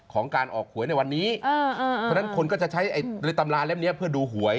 ของการออกหวยในวันนี้เพราะฉะนั้นคนก็จะใช้ในตำราเล่มนี้เพื่อดูหวย